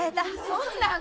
そんなん。